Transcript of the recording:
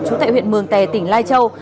chú tệ huyện mường tè tỉnh lai châu